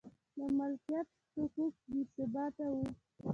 د مالکیت حقوق بې ثباته و